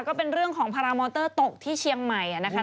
ก็เป็นเรื่องของพารามอเตอร์ตกที่เชียงใหม่นะคะ